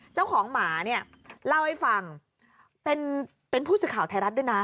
เจ้าของหมาเนี่ยเล่าให้ฟังเป็นผู้สื่อข่าวไทยรัฐด้วยนะ